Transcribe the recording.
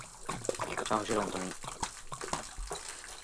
সাহসের অন্ত নেই।